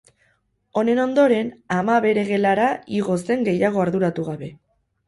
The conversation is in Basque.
Honen ondoren, ama bere gelara igo zen gehiago arduratu gabe.